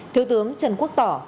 thứ tướng trần quốc tỏ